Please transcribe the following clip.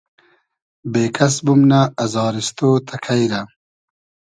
بېکئس بومنۂ ازاریستۉ تئکݷ رۂ